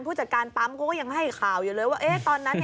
ผู้จัดการปั๊มก็ก็ยังไม่ให้ข่าวอยู่เลยว่าเอ๊ะตอนนั้นเนี้ย